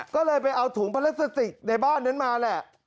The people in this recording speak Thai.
ก็เลยไปเอาถุงพลาสติกในบ้านนั้นมาแหละ